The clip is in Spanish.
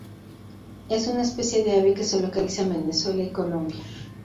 Es una especie de ave que se localiza en Venezuela y Colombia.